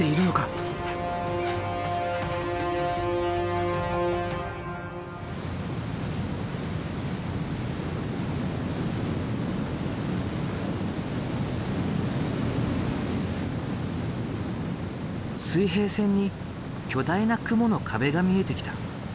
水平線に巨大な雲の壁が見えてきた。